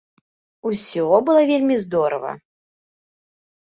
Усё было вельмі здорава.